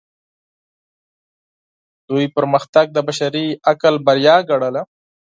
هغوی پرمختګ د بشري عقل بریا ګڼله.